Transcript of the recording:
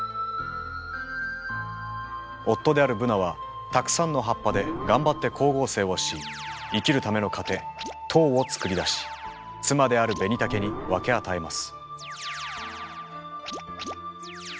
夫であるブナはたくさんの葉っぱで頑張って光合成をし生きるための糧糖を作り出し妻であるベニタケに分け与えます。